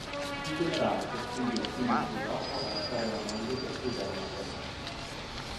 Un generale costringe il figlio sposato a lasciare la moglie per sposare un'altra donna.